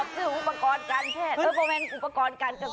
คืออุปกรณ์การแพทย์วิบัติเป็นอุปกรณ์การเกษตร